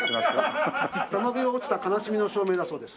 多摩美を落ちた悲しみの照明だそうです。